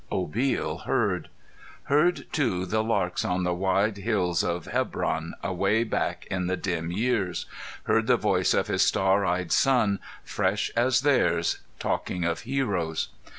Obil heard. Heard, too, the larks on the wide hills of Hebron, away back in the dim years; heard the voice of his star eyed son, fresh as theirs, talking of heroes!